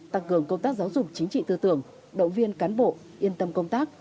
tăng cường công tác giáo dục chính trị tư tưởng động viên cán bộ yên tâm công tác